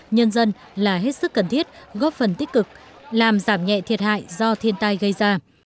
nhân dân là hết sức cần thiết góp phần tích cực làm giảm nhẹ thiệt hại do thiên tai gây ra